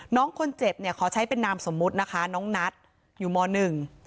น้องคนเจ็บเนี่ยขอใช้เป็นนามสมมุตินะคะน้องนัทอยู่มหนึ่ง